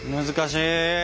難しい。